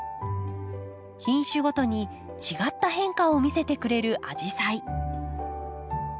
品種ごとに違った変化を見せてくれるアジサイ。